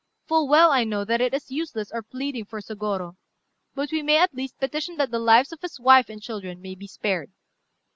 Full well I know that it is useless our pleading for Sôgorô; but we may, at least, petition that the lives of his wife and children may be spared."